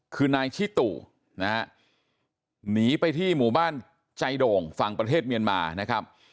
คือนายชิตู่นะฮะหนีไปที่หมู่บ้านใจโด่งฝั่งประเทศเมียนมานะครับ